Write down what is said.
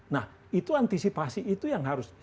nah itu antisipasi itu yang harus